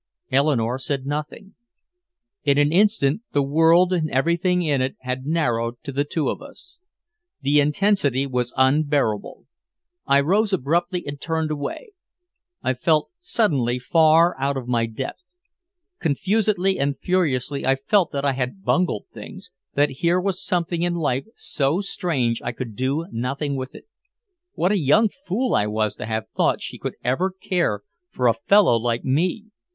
Eleanore said nothing. In an instant the world and everything in it had narrowed to the two of us. The intensity was unbearable. I rose abruptly and turned away. I felt suddenly far out of my depth. Confusedly and furiously I felt that I had bungled things, that here was something in life so strange I could do nothing with it. What a young fool I was to have thought she could ever care for a fellow like me!